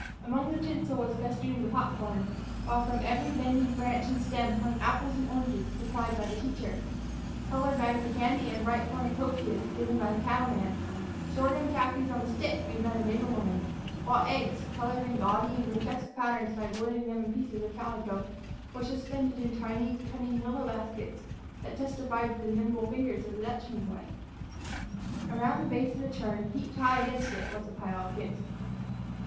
Among the tinsel was festooned the pop corn, while from every bending branch and stem hung apples and oranges supplied by the teacher, colored bags of candy and bright cornucopias given by the cattleman, sorghum taffies on a stick made by the neighbor woman, while eggs, colored in gaudy and grotesque patterns by boiling them in pieces of calico, were suspended in tiny cunning willow baskets that testified to the nimble fingers of the Dutchman's wife. Around the base of the churn and heaped high against it was the pile of gifts.